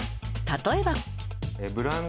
例えば。